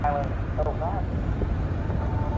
এখন আমরা চিয়ার্স করবো।